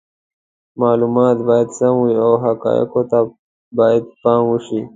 معلومات باید سم وي او حقایقو ته باید پام وشي.